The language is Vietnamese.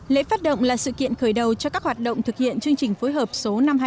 lễ phát động là sự kiện khởi đầu cho các hoạt động thực hiện chương trình phối hợp số năm trăm hai mươi sáu